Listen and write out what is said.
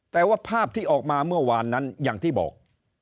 แต่ว่าภาพที่ออกมาเมื่อวานนั้นอย่างที่บอก